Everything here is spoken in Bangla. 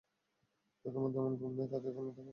যাদের মধ্যে এমন গুণ নেই, তাদের এখানে থাকার যোগ্যতা নেই।